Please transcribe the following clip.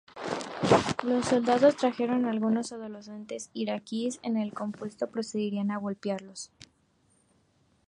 Los soldados trajeron algunos adolescentes iraquíes en el compuesto y procedieron a golpearlos.